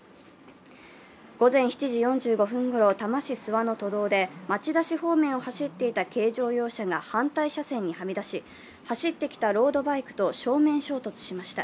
午前７時４５分ごろ多摩市諏訪の都道で、町田市方面を走っていた軽乗用車が反対車線にはみ出し、走ってきたロードバイクと正面衝突しました。